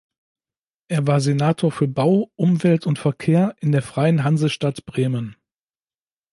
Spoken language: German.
Er war Senator für Bau, Umwelt und Verkehr in der Freien Hansestadt Bremen.